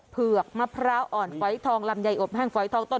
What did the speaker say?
เผือกมะพร้าวอ่อนฝอยทองลำไยอบแห้งฝอยทองต้น